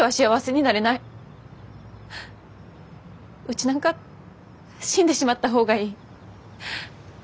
うちなんか死んでしまった方がいい。